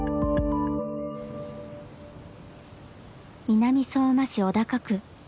南相馬市小高区。